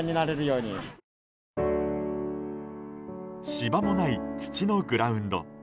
芝もない、土のグラウンド。